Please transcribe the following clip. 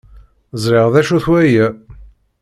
Ẓriɣ d acu-t waya.